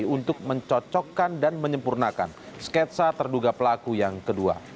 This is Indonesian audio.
untuk mencocokkan dan menyempurnakan sketsa terduga pelaku yang kedua